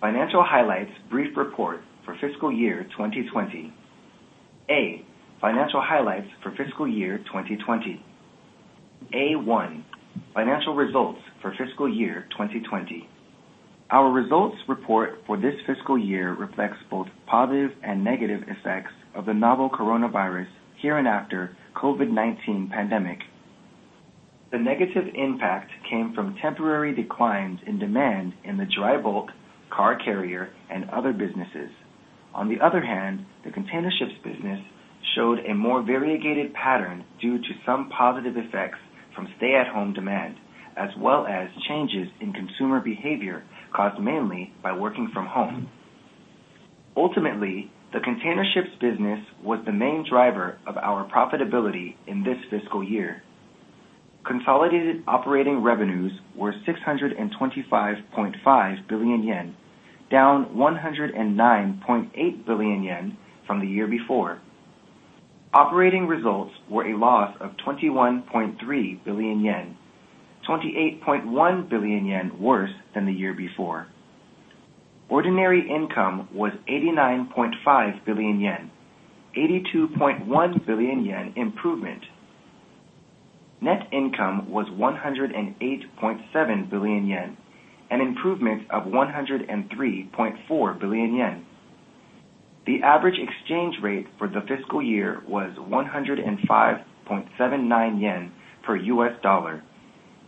Financial highlights brief report for fiscal year 2020. A, financial highlights for fiscal year 2020. A-1, financial results for fiscal year 2020. Our results report for this fiscal year reflects both positive and negative effects of the novel coronavirus hereinafter COVID-19 pandemic. The negative impact came from temporary declines in demand in the dry bulk, car carrier, and other businesses. On the other hand, the containerships business showed a more variegated pattern due to some positive effects from stay-at-home demand, as well as changes in consumer behavior caused mainly by working from home. Ultimately, the containerships business was the main driver of our profitability in this fiscal year. Consolidated operating revenues were 625.5 billion yen, down 109.8 billion yen from the year before. Operating results were a loss of 21.3 billion yen, 28.1 billion yen worse than the year before. Ordinary income was 89.5 billion yen, 82.1 billion yen improvement. Net income was 108.7 billion yen, an improvement of 103.4 billion yen. The average exchange rate for the fiscal year was 105.79 yen per US dollar,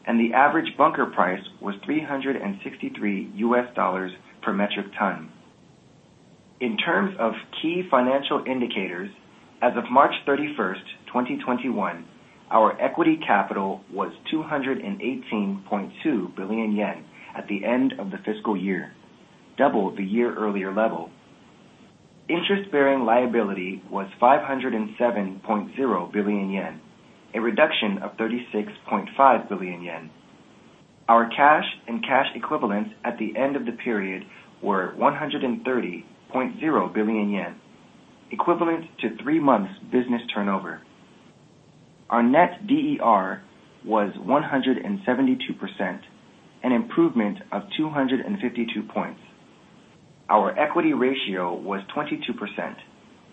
and the average bunker price was $363 per metric ton. In terms of key financial indicators, as of March 31st, 2021, our equity capital was 218.2 billion yen at the end of the fiscal year, double the year earlier level. Interest-bearing liability was ¥507.0 billion, a reduction of 36.5 billion yen. Our cash and cash equivalents at the end of the period were 130.0 billion yen, equivalent to three months' business turnover. Our net DER was 172%, an improvement of 252 points. Our equity ratio was 22%,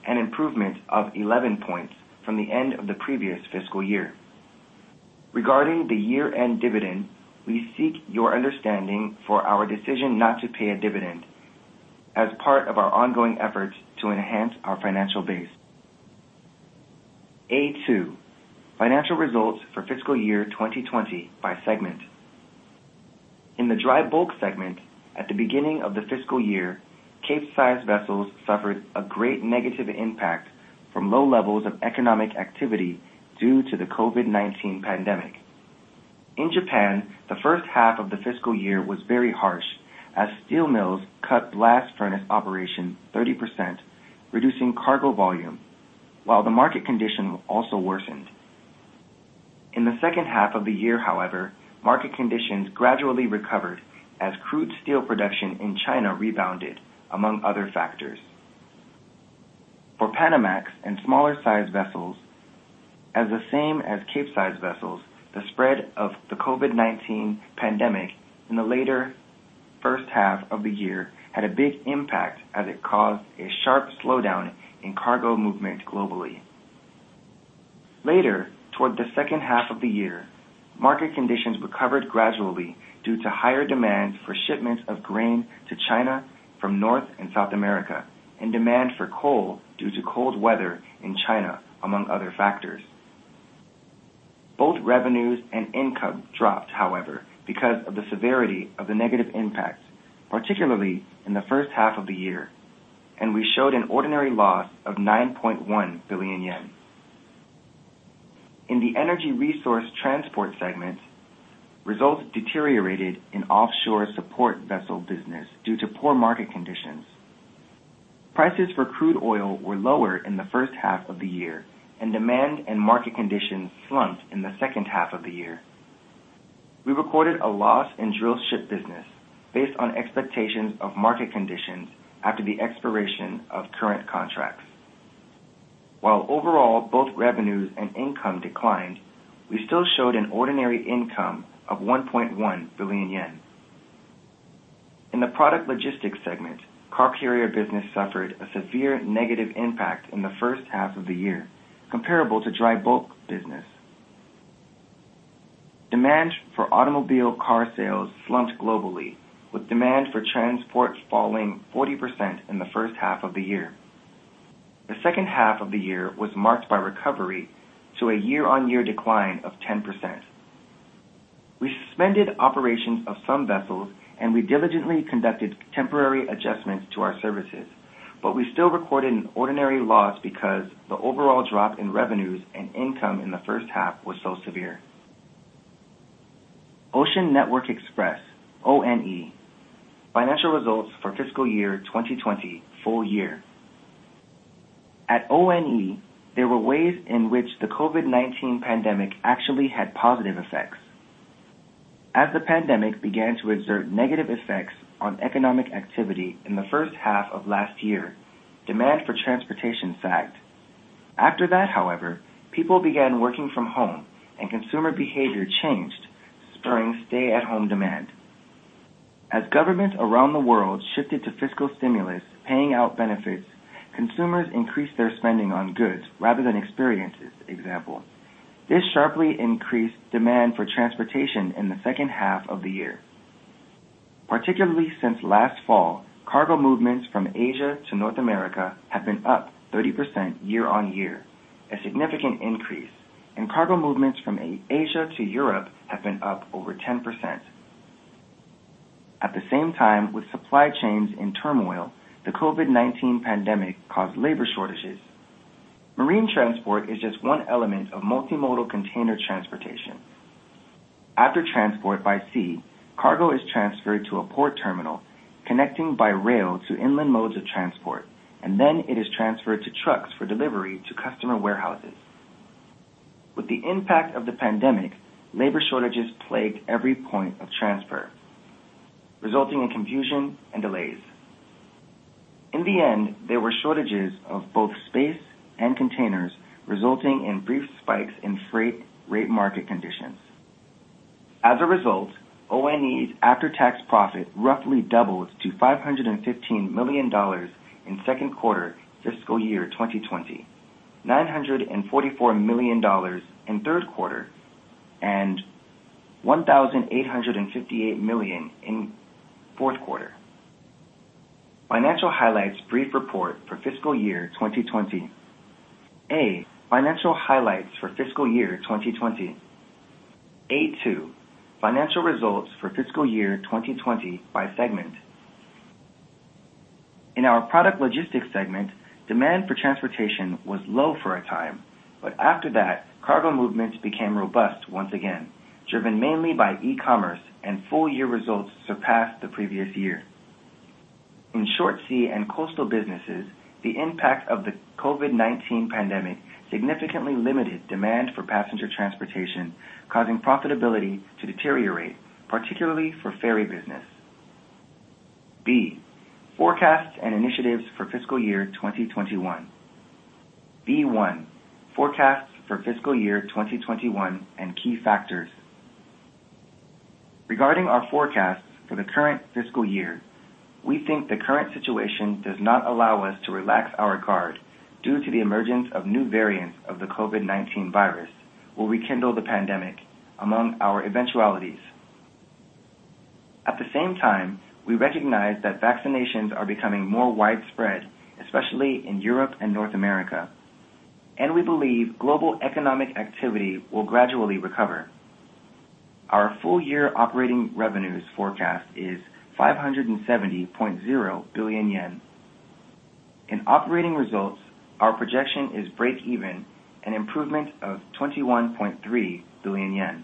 an improvement of 11 points from the end of the previous fiscal year. Regarding the year-end dividend, we seek your understanding for our decision not to pay a dividend as part of our ongoing efforts to enhance our financial base. A-2, financial results for fiscal year 2020 by segment. In the dry bulk segment, at the beginning of the fiscal year, Capesize vessels suffered a great negative impact from low levels of economic activity due to the COVID-19 pandemic. In Japan, the first half of the fiscal year was very harsh as steel mills cut blast furnace operation 30%, reducing cargo volume, while the market condition also worsened. In the second half of the year, however, market conditions gradually recovered as crude steel production in China rebounded, among other factors. For Panamax and smaller size vessels, as the same as Capesize vessels, the spread of the COVID-19 pandemic in the later first half of the year had a big impact as it caused a sharp slowdown in cargo movement globally. Later, toward the second half of the year, market conditions recovered gradually due to higher demand for shipments of grain to China from North and South America, and demand for coal due to cold weather in China, among other factors. Both revenues and income dropped, however, because of the severity of the negative impact, particularly in the first half of the year, and we showed an ordinary loss of 9.1 billion yen. In the Energy Resource Transport segment, results deteriorated in offshore support vessel business due to poor market conditions. Prices for crude oil were lower in the first half of the year, and demand and market conditions slumped in the second half of the year. We recorded a loss in drill ship business based on expectations of market conditions after the expiration of current contracts. While overall both revenues and income declined, we still showed an ordinary income of 1.1 billion yen. In the Product Logistics segment, car carrier business suffered a severe negative impact in the first half of the year, comparable to dry bulk business. Demand for automobile car sales slumped globally, with demand for transport falling 40% in the first half of the year. The second half of the year was marked by recovery to a year-on-year decline of 10%. We suspended operations of some vessels, and we diligently conducted temporary adjustments to our services, but we still recorded an ordinary loss because the overall drop in revenues and income in the first half was so severe. Ocean Network Express, ONE. Financial results for fiscal year 2020 full year. At ONE, there were ways in which the COVID-19 pandemic actually had positive effects. As the pandemic began to exert negative effects on economic activity in the first half of last year, demand for transportation sagged. After that, however, people began working from home, and consumer behavior changed, spurring stay-at-home demand. As governments around the world shifted to fiscal stimulus, paying out benefits, consumers increased their spending on goods rather than experiences, for example. This sharply increased demand for transportation in the second half of the year. Particularly since last fall, cargo movements from Asia to North America have been up 30% year-on-year, a significant increase, and cargo movements from Asia to Europe have been up over 10%. At the same time, with supply chains in turmoil, the COVID-19 pandemic caused labor shortages. Marine transport is just one element of multimodal container transportation. After transport by sea, cargo is transferred to a port terminal, connecting by rail to inland modes of transport, and then it is transferred to trucks for delivery to customer warehouses. With the impact of the pandemic, labor shortages plagued every point of transfer, resulting in confusion and delays. In the end, there were shortages of both space and containers, resulting in brief spikes in freight rate market conditions. As a result, ONE's after-tax profit roughly doubled to JPY 515 million in second quarter fiscal year 2020, JPY 944 million in third quarter, and 1,858 million in fourth quarter. Financial highlights brief report for fiscal year 2020. A, financial highlights for fiscal year 2020. A-2, financial results for fiscal year 2020 by segment. In our Product Logistics segment, demand for transportation was low for a time. After that, cargo movements became robust once again, driven mainly by e-commerce, and full-year results surpassed the previous year. In short sea and coastal businesses, the impact of the COVID-19 pandemic significantly limited demand for passenger transportation, causing profitability to deteriorate, particularly for ferry business. B, forecasts and initiatives for fiscal year 2021. B-1. forecasts for fiscal year 2021 and key factors. Regarding our forecasts for the current fiscal year, we think the current situation does not allow us to relax our guard due to the emergence of new variants of the COVID-19 virus will rekindle the pandemic among our eventualities. At the same time, we recognize that vaccinations are becoming more widespread, especially in Europe and North America, and we believe global economic activity will gradually recover. Our full year operating revenues forecast is 570.0 billion yen. In operating results, our projection is breakeven, an improvement of 21.3 billion yen.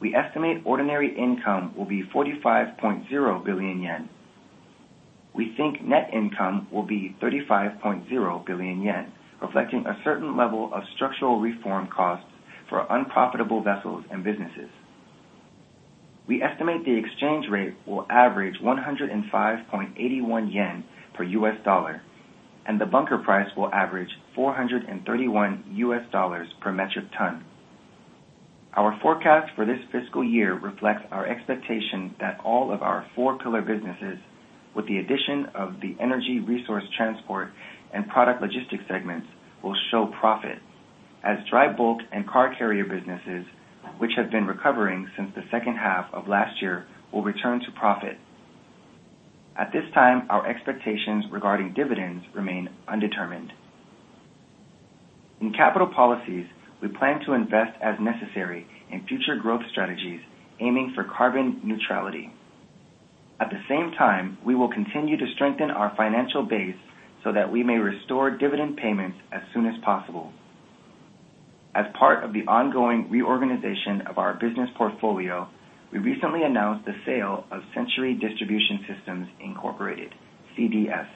We estimate ordinary income will be 45.0 billion yen. We think net income will be 35.0 billion yen, reflecting a certain level of structural reform costs for unprofitable vessels and businesses. We estimate the exchange rate will average 105.81 yen per US dollar, and the bunker price will average $431 per metric ton. Our forecast for this fiscal year reflects our expectation that all of our four pillar businesses, with the addition of the Energy Resource Transport and Product Logistics segments, will show profit, as dry bulk and car carrier businesses, which have been recovering since the second half of last year, will return to profit. At this time, our expectations regarding dividends remain undetermined. In capital policies, we plan to invest as necessary in future growth strategies, aiming for carbon neutrality. At the same time, we will continue to strengthen our financial base so that we may restore dividend payments as soon as possible. As part of the ongoing reorganization of our business portfolio, we recently announced the sale of Century Distribution Systems, Inc., CDS.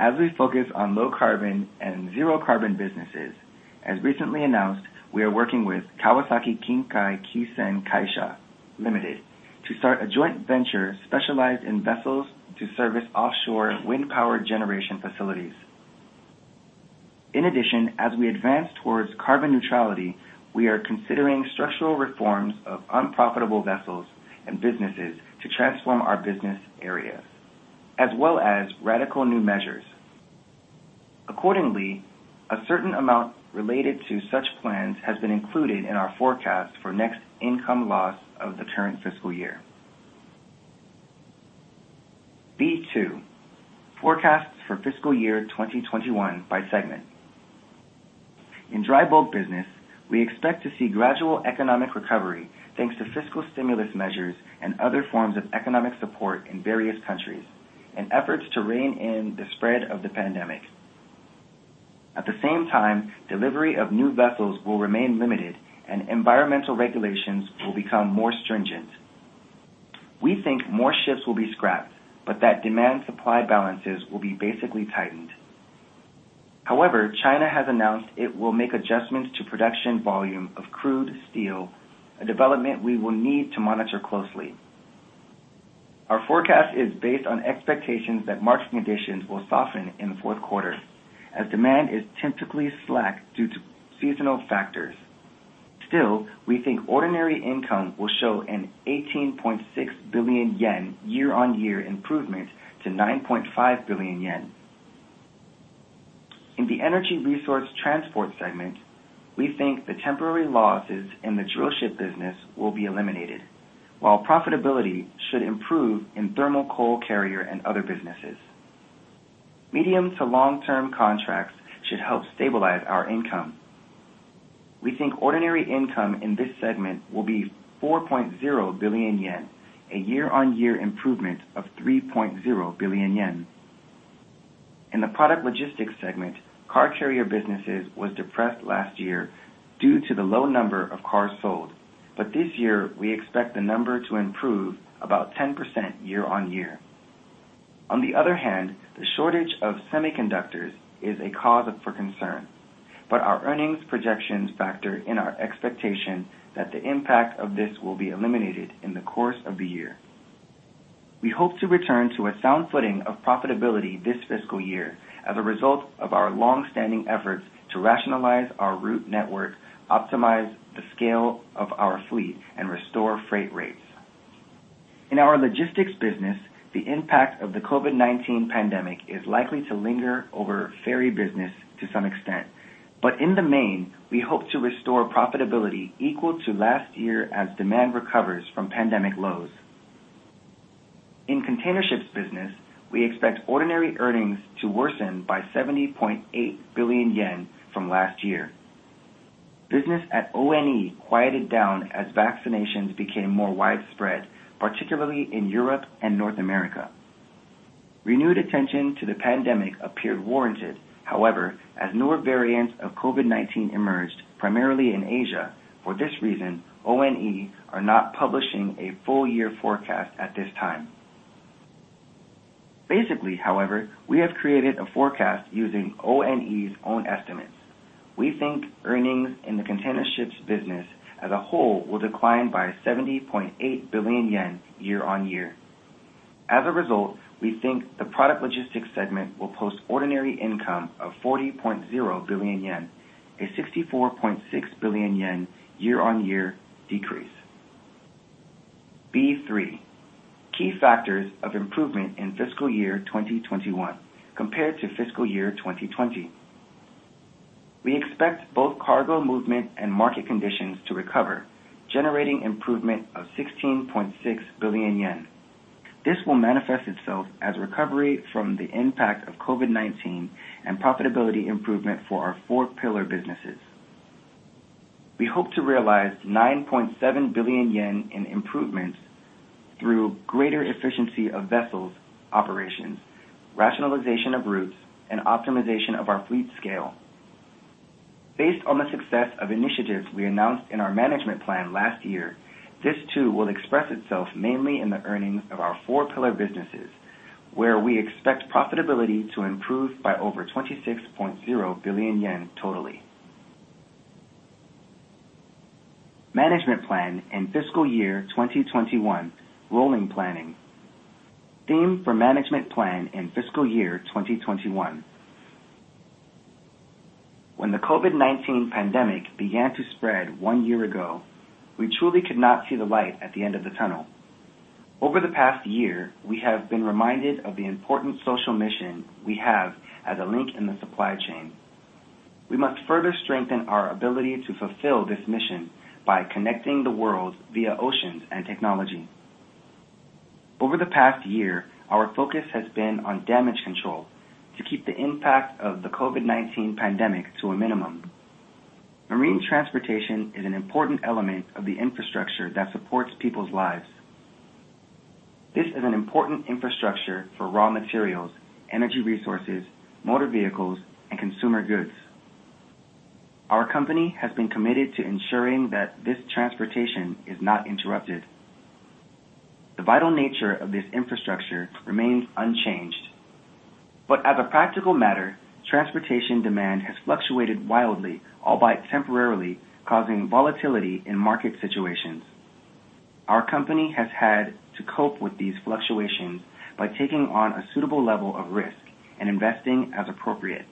As we focus on low carbon and zero carbon businesses, as recently announced, we are working with Kawasaki Kinkai Kisen Kaisha, Ltd. to start a joint venture specialized in vessels to service offshore wind power generation facilities. In addition, as we advance towards carbon neutrality, we are considering structural reforms of unprofitable vessels and businesses to transform our business areas, as well as radical new measures. Accordingly, a certain amount related to such plans has been included in our forecast for next income loss of the current fiscal year. B-2. Forecasts for fiscal year 2021 by segment. In dry bulk business, we expect to see gradual economic recovery thanks to fiscal stimulus measures and other forms of economic support in various countries, and efforts to rein in the spread of the pandemic. At the same time, delivery of new vessels will remain limited and environmental regulations will become more stringent. We think more ships will be scrapped, but that demand supply balances will be basically tightened. However, China has announced it will make adjustments to production volume of crude steel, a development we will need to monitor closely. Our forecast is based on expectations that market conditions will soften in the fourth quarter as demand is typically slack due to seasonal factors. Still, we think ordinary income will show an 18.6 billion yen year-on-year improvement to 9.5 billion yen. In the Energy Resource Transport segment, we think the temporary losses in the drillship business will be eliminated. While profitability should improve in thermal coal carrier and other businesses. Medium to long-term contracts should help stabilize our income. We think ordinary income in this segment will be 4.0 billion yen, a year-on-year improvement of 3.0 billion yen. In the Product Logistics segment, car carrier businesses was depressed last year due to the low number of cars sold, but this year, we expect the number to improve about 10% year-on-year. On the other hand, the shortage of semiconductors is a cause for concern, but our earnings projections factor in our expectation that the impact of this will be eliminated in the course of the year. We hope to return to a sound footing of profitability this fiscal year as a result of our longstanding efforts to rationalize our route network, optimize the scale of our fleet, and restore freight rates. In our logistics business, the impact of the COVID-19 pandemic is likely to linger over ferry business to some extent. In the main, we hope to restore profitability equal to last year as demand recovers from pandemic lows. In containerships business, we expect ordinary earnings to worsen by 70.8 billion yen from last year. Business at ONE quieted down as vaccinations became more widespread, particularly in Europe and North America. Renewed attention to the pandemic appeared warranted, however, as newer variants of COVID-19 emerged, primarily in Asia. For this reason, ONE are not publishing a full year forecast at this time. Basically, however, we have created a forecast using ONE's own estimates. We think earnings in the containerships business as a whole will decline by 70.8 billion yen year-on-year. As a result, we think the Product Logistics segment will post ordinary income of 40.0 billion yen, a 64.6 billion yen year-on-year decrease. B3, key factors of improvement in fiscal year 2021 compared to fiscal year 2020. We expect both cargo movement and market conditions to recover, generating improvement of 16.6 billion yen. This will manifest itself as recovery from the impact of COVID-19 and profitability improvement for our four pillar businesses. We hope to realize 9.7 billion yen in improvements through greater efficiency of vessels operations, rationalization of routes, and optimization of our fleet scale. Based on the success of initiatives we announced in our management plan last year, this too will express itself mainly in the earnings of our four pillar businesses, where we expect profitability to improve by over 26.0 billion yen totally. Management plan in fiscal year 2021. Rolling planning. Theme for management plan in fiscal year 2021. When the COVID-19 pandemic began to spread one year ago, we truly could not see the light at the end of the tunnel. Over the past year, we have been reminded of the important social mission we have as a link in the supply chain. We must further strengthen our ability to fulfill this mission by connecting the world via oceans and technology. Over the past year, our focus has been on damage control to keep the impact of the COVID-19 pandemic to a minimum. Marine transportation is an important element of the infrastructure that supports people's lives. This is an important infrastructure for raw materials, energy resources, motor vehicles, and consumer goods. Our company has been committed to ensuring that this transportation is not interrupted. The vital nature of this infrastructure remains unchanged. As a practical matter, transportation demand has fluctuated wildly, albeit temporarily, causing volatility in market situations. Our company has had to cope with these fluctuations by taking on a suitable level of risk and investing as appropriate.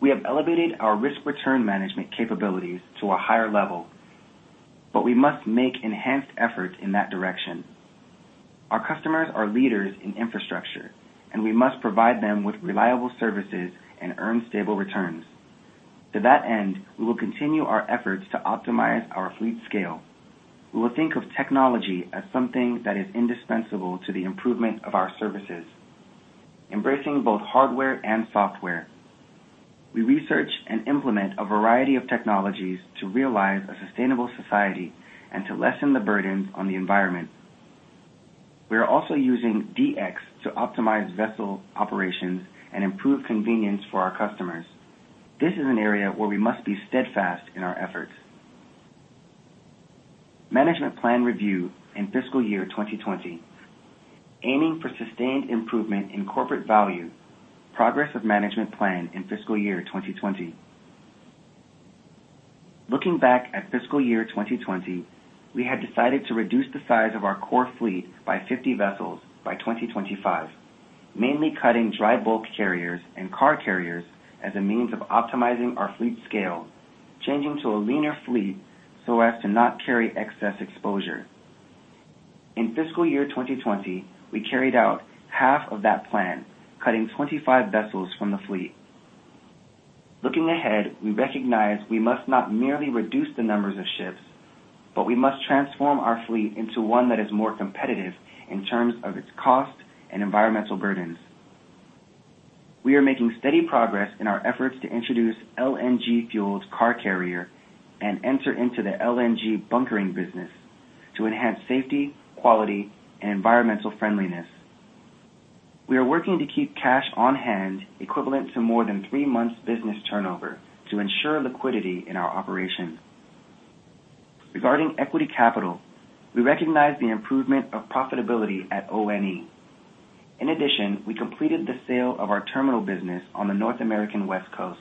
We have elevated our risk-return management capabilities to a higher level, but we must make enhanced efforts in that direction. Our customers are leaders in infrastructure, and we must provide them with reliable services and earn stable returns. To that end, we will continue our efforts to optimize our fleet scale. We will think of technology as something that is indispensable to the improvement of our services, embracing both hardware and software. We research and implement a variety of technologies to realize a sustainable society and to lessen the burden on the environment. We are also using DX to optimize vessel operations and improve convenience for our customers. This is an area where we must be steadfast in our efforts. Management plan review in fiscal year 2020. Aiming for sustained improvement in corporate value. Progress of management plan in fiscal year 2020. Looking back at fiscal year 2020, we had decided to reduce the size of our core fleet by 50 vessels by 2025, mainly cutting dry bulk carriers and car carriers as a means of optimizing our fleet scale, changing to a leaner fleet so as to not carry excess exposure. In fiscal year 2020, we carried out half of that plan, cutting 25 vessels from the fleet. Looking ahead, we recognize we must not merely reduce the numbers of ships, but we must transform our fleet into one that is more competitive in terms of its cost and environmental burdens. We are making steady progress in our efforts to introduce LNG-fueled car carrier and enter into the LNG bunkering business to enhance safety, quality, and environmental friendliness. We are working to keep cash on hand equivalent to more than three months' business turnover to ensure liquidity in our operations. Regarding equity capital, we recognize the improvement of profitability at ONE. In addition, we completed the sale of our terminal business on the North American West Coast.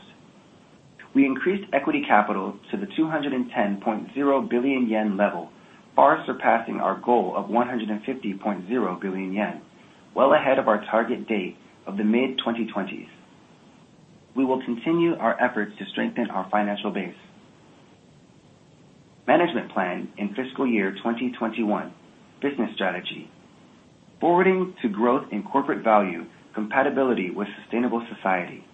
We increased equity capital to the 210.0 billion yen level, far surpassing our goal of 150.0 billion yen, well ahead of our target date of the mid-2020s. We will continue our efforts to strengthen our financial base. Management plan in fiscal year 2021. Business strategy. Forging to Growth in Corporate Value Compatibility with Sustainable Society.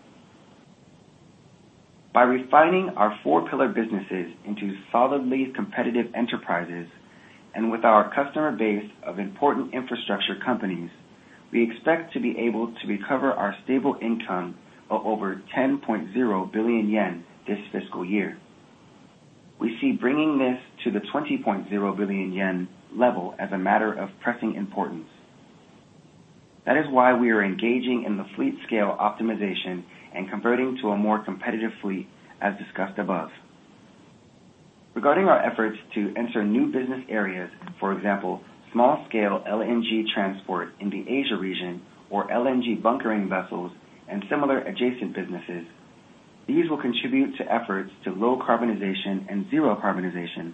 By refining our four pillar businesses into solidly competitive enterprises, and with our customer base of important infrastructure companies, we expect to be able to recover our stable income of over 10.0 billion yen this fiscal year. We see bringing this to the 20.0 billion yen level as a matter of pressing importance. That is why we are engaging in the fleet scale optimization and converting to a more competitive fleet, as discussed above. Regarding our efforts to enter new business areas, for example, small scale LNG transport in the Asia region or LNG bunkering vessels and similar adjacent businesses, these will contribute to efforts to low carbonization and zero carbonization.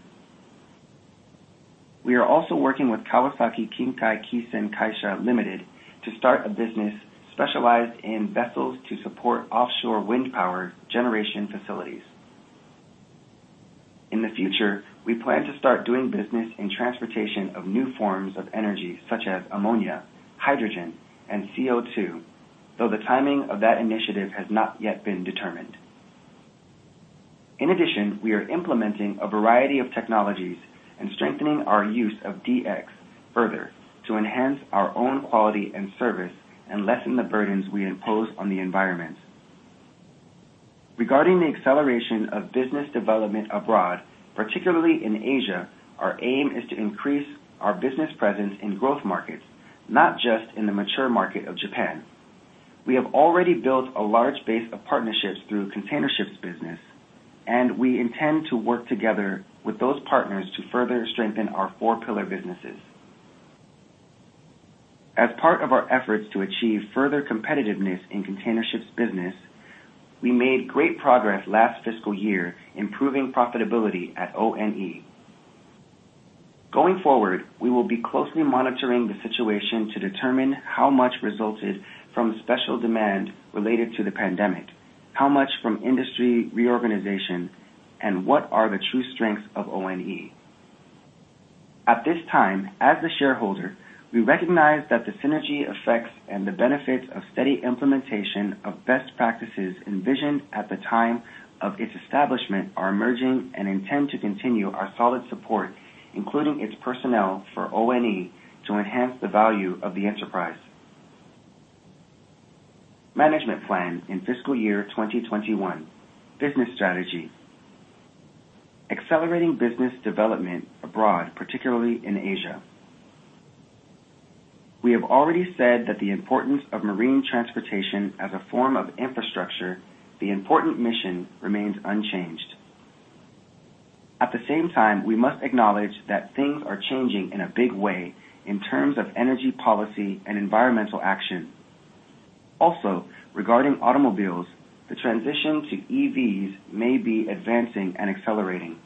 We are also working with Kawasaki Kinkai Kisen Kaisha, Ltd. to start a business specialized in vessels to support offshore wind power generation facilities. In the future, we plan to start doing business in transportation of new forms of energy such as ammonia, hydrogen, and CO2, though the timing of that initiative has not yet been determined. We are implementing a variety of technologies and strengthening our use of DX further to enhance our own quality and service and lessen the burdens we impose on the environment. Regarding the acceleration of business development abroad, particularly in Asia, our aim is to increase our business presence in growth markets, not just in the mature market of Japan. We have already built a large base of partnerships through containerships business, and we intend to work together with those partners to further strengthen our four pillar businesses. As part of our efforts to achieve further competitiveness in containerships business, we made great progress last fiscal year improving profitability at ONE. Going forward, we will be closely monitoring the situation to determine how much resulted from special demand related to the pandemic, how much from industry reorganization, and what are the true strengths of ONE. At this time, as the shareholder, we recognize that the synergy effects and the benefits of steady implementation of best practices envisioned at the time of its establishment are emerging and intend to continue our solid support, including its personnel for ONE, to enhance the value of the enterprise. Management plan in fiscal year 2021. Business strategy. Accelerating business development abroad, particularly in Asia. We have already said that the importance of marine transportation as a form of infrastructure, the important mission remains unchanged. At the same time, we must acknowledge that things are changing in a big way in terms of energy policy and environmental action. Also, regarding automobiles, the transition to EVs may be advancing and accelerating.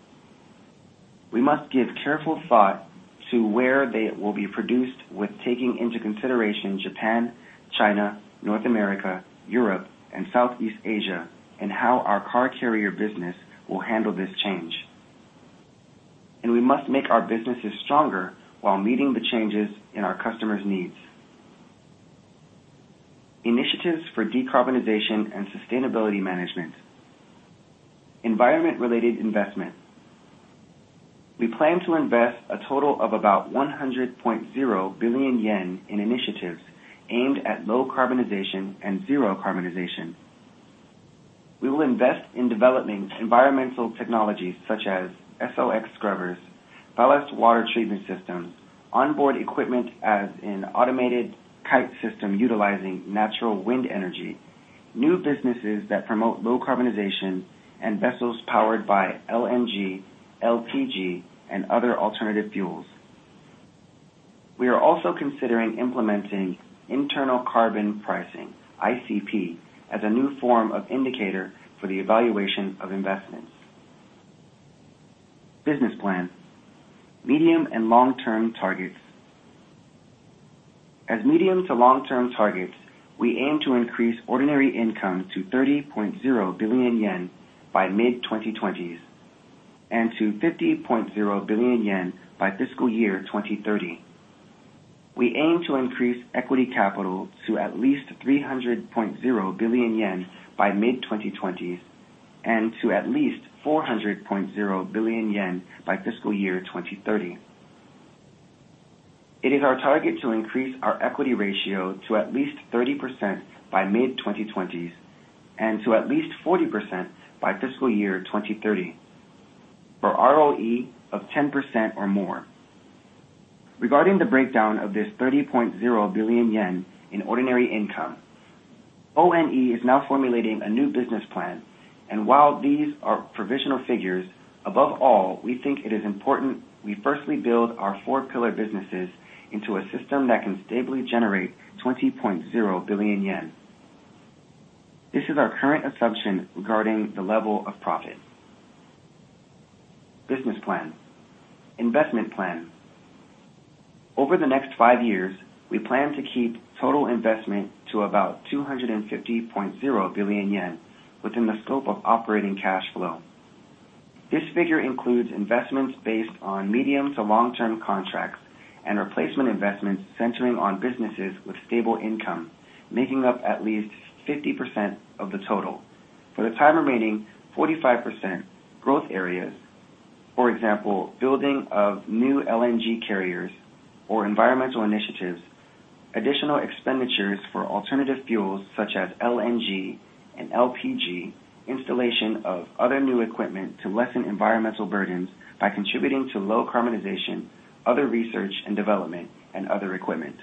We must give careful thought to where they will be produced with taking into consideration Japan, China, North America, Europe, and Southeast Asia, and how our car carrier business will handle this change. We must make our businesses stronger while meeting the changes in our customers' needs. Initiatives for decarbonization and sustainability management. Environment-related investment. We plan to invest a total of about 100.0 billion yen in initiatives aimed at low carbonization and zero carbonization. We will invest in developing environmental technologies such as SOx scrubbers, ballast water treatment systems, onboard equipment as in automated kite system utilizing natural wind energy, new businesses that promote low carbonization, and vessels powered by LNG, LPG, and other alternative fuels. We are also considering implementing internal carbon pricing, ICP, as a new form of indicator for the evaluation of investments. Business plan. Medium and long-term targets. As medium to long-term targets, we aim to increase ordinary income to 30.0 billion yen by mid-2020s, and to 50.0 billion yen by fiscal year 2030. We aim to increase equity capital to at least 300.0 billion yen by mid-2020s, and to at least 400.0 billion yen by fiscal year 2030. It is our target to increase our equity ratio to at least 30% by mid-2020s, and to at least 40% by fiscal year 2030, for ROE of 10% or more. Regarding the breakdown of this 30.0 billion yen in ordinary income, ONE is now formulating a new business plan, and while these are provisional figures, above all, we think it is important we firstly build our four pillar businesses into a system that can stably generate 20.0 billion yen. This is our current assumption regarding the level of profit. Business plan. Investment plan. Over the next five years, we plan to keep total investment to about 250.0 billion yen, within the scope of operating cash flow. This figure includes investments based on medium to long-term contracts and replacement investments centering on businesses with stable income, making up at least 50% of the total. For the time remaining, 45% growth areas, for example, building of new LNG carriers or environmental initiatives, additional expenditures for alternative fuels such as LNG and LPG, installation of other new equipment to lessen environmental burdens by contributing to low carbonization, other research and development, and other equipment.